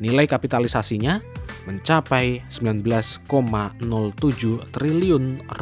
nilai kapitalisasinya mencapai rp sembilan belas tujuh triliun